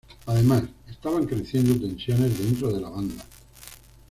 Además, estaban creciendo tensiones dentro de la banda.